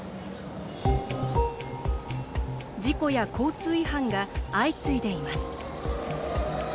事故や交通違反が相次いでいます。